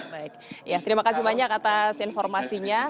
baik ya terima kasih banyak atas informasinya